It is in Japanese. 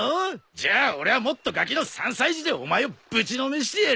じゃあ俺はもっとがきの３歳児でお前をぶちのめしてやる。